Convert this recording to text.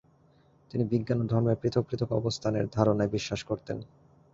তিনি বিজ্ঞান ও ধর্মের পৃথক পৃথক অবস্থানের ধারণায় বিশ্বাস করতেন।